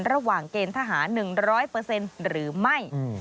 ระหว่างเกณฑ์ทหาร๑๐๐หรือไม่